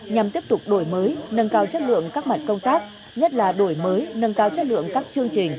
nhằm tiếp tục đổi mới nâng cao chất lượng các mặt công tác nhất là đổi mới nâng cao chất lượng các chương trình